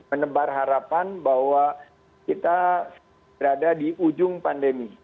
menebar harapan bahwa kita berada di ujung pandemi